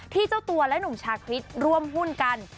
เจ้าตัวและหนุ่มชาคริสร่วมหุ้นกัน